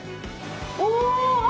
お！